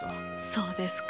そうですか。